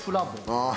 ああ。